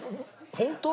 ホント？